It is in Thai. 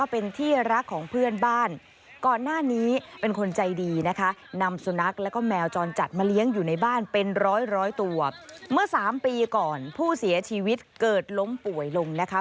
เป็นร้อยตัวเมื่อ๓ปีก่อนผู้เสียชีวิตเกิดล้มป่วยลงนะคะ